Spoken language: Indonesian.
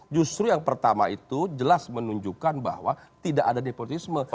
justru yang pertama itu jelas menunjukkan bahwa tidak ada nepotisme